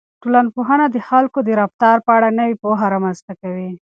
ټولنپوهنه د خلکو د رفتار په اړه نوې پوهه رامنځته کوي.